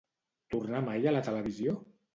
Tornà mai a la televisió?